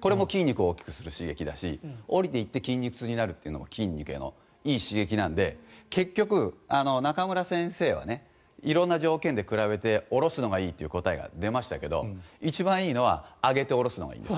これも筋肉を大きくする刺激だし下りて行って筋肉痛になるというのも筋肉へのいい刺激なので結局、中村先生は色んな条件で比べて下ろすのがいいという答えが出ましたが一番いいのは上げて下ろすのがいいんです。